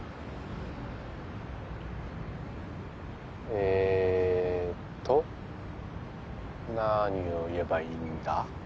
えーと何を言えばいいんだ？